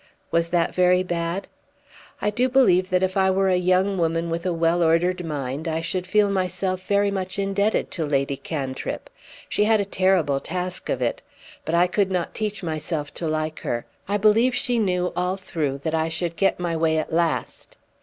"Was that very bad?" "I do believe that if I were a young woman with a well ordered mind, I should feel myself very much indebted to Lady Cantrip. She had a terrible task of it. But I could not teach myself to like her. I believe she knew all through that I should get my way at last."